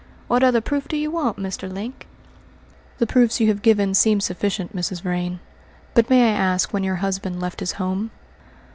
What other proof do you want, Mr. Link?" "The proofs you have given seem sufficient, Mrs. Vrain, but may I ask when your husband left his home?"